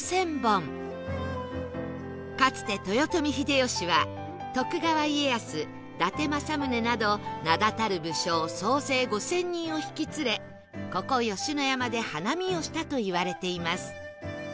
かつて豊臣秀吉は徳川家康伊達政宗など名だたる武将総勢５０００人を引き連れここ吉野山で花見をしたといわれています